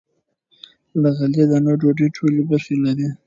له غلې- دانو ډوډۍ ټولې برخې لري.